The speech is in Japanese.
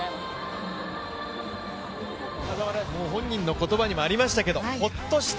本人の言葉にもありましたけどほっとした。